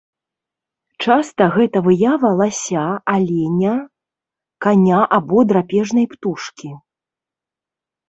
Часта гэта выява лася, аленя, каня або драпежнай птушкі.